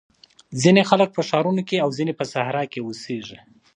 ځینې خلګ په ښارونو کي او ځینې په صحرا کي اوسېږي.